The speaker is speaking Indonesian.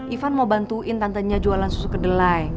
ivan mau bantuin tantenya jualan susu kedelai